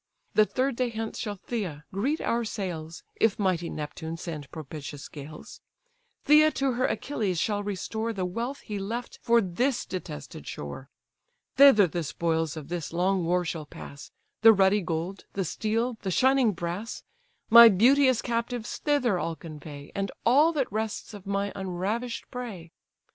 The third day hence shall Pythia greet our sails, If mighty Neptune send propitious gales; Pythia to her Achilles shall restore The wealth he left for this detested shore: Thither the spoils of this long war shall pass, The ruddy gold, the steel, and shining brass: My beauteous captives thither I'll convey, And all that rests of my unravish'd prey.